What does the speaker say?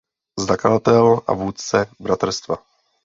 Zakladatel a vůdce Bratrstva.